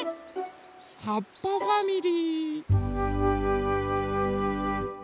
はっぱファミリ−。